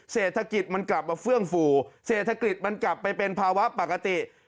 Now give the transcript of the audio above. เศรษฐกิจมันกลับมาเฟื่องฟูเศรษฐกิจมันกลับไปเป็นภาวะปกติ